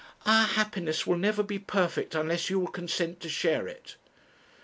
'Our happiness will never be perfect unless you will consent to share it.'